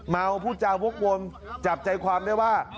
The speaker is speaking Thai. เมาผู้จาวพวกวงจับใจความได้ว่า